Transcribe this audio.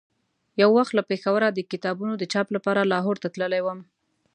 یو وخت له پېښوره د کتابونو د چاپ لپاره لاهور ته تللی وم.